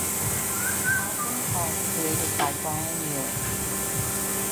Album art created by Brian Ewing.